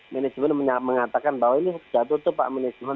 mereka pun mengatakan bahwa ini sudah tutup pak manajemen